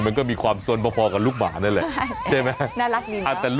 แต่หมาก็อ้วนเหมือนกันน่ะ